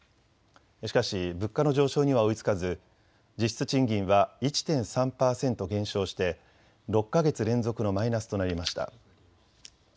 しかし物価の上昇には追いつかず実質賃金は１．３％減少して６か月連続のマイナスとなりました。